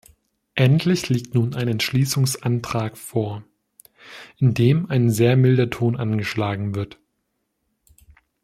Endlich liegt nun ein Entschließungsantrag vor, in dem ein sehr milder Ton angeschlagen wird.